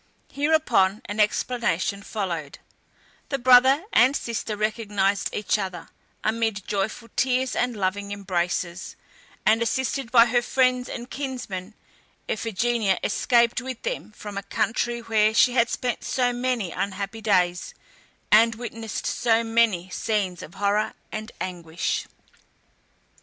Hereupon an explanation followed; the brother and sister recognized each other, amid joyful tears and loving embraces, and assisted by her friends and kinsmen, Iphigenia escaped with them from a country where she had spent so many unhappy days, and witnessed so many scenes of horror and anguish.